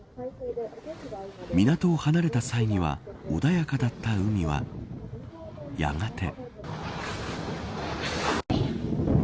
港を離れた際には穏やかだった海はやがて。